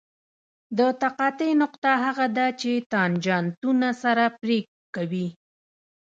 د تقاطع نقطه هغه ده چې تانجانتونه سره پرې کوي